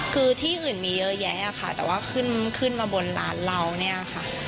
คือที่อื่นมีเยอะแยะค่ะแต่ว่าขึ้นขึ้นมาบนร้านเราเนี่ยค่ะ